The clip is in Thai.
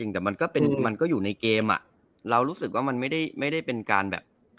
แต่มันก็เป็นมันก็อยู่ในเกมอ่ะเรารู้สึกว่ามันไม่ได้เป็นการแบบ